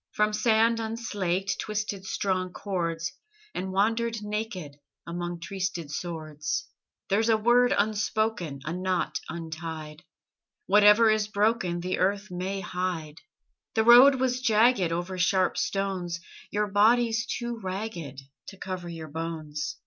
From sand unslaked Twisted strong cords, And wandered naked Among trysted swords. There's a word unspoken, A knot untied. Whatever is broken The earth may hide. The road was jagged Over sharp stones: Your body's too ragged To cover your bones.